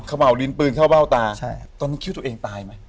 เห่าดินปืนเข้าเบ้าตาใช่ตอนนั้นคิดว่าตัวเองตายไหม